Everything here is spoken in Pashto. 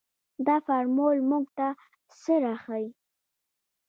دا فارمول موږ ته څه راښيي.